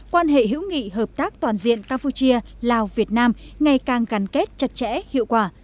quan hệ hữu nghị hợp tác toàn diện campuchia lào việt nam ngày càng gắn kết chặt chẽ hiệu quả